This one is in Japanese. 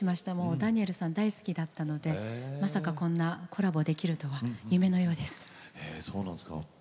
ダニエルさん大好きだったのでまさか、こんなコラボできるとは夢のようです。